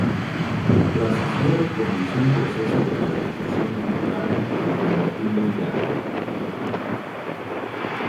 Tras su cierre comenzó un proceso de rehabilitación integral para convertirlo en teatro.